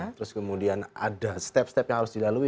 terus kemudian ada step step yang harus dilalui